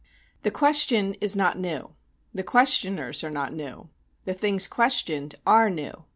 The question is not new; the questioners are not new; the things questioned are new.